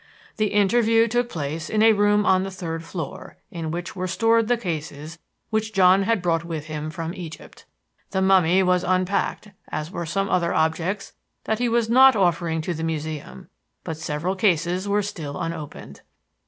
The interview took place in a room on the third floor, in which were stored the cases which John had brought with him from Egypt. The mummy was unpacked, as were some other objects that he was not offering to the Museum, but several cases were still unopened.